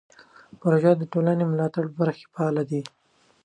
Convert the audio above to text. پروژه د ټولنې د ملاتړ په برخه کې فعال دی.